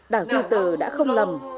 đảo duy từ đã không lầm